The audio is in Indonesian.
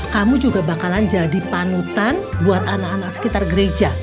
kamu juga bakalan jadi panutan buat anak anak sekitar gereja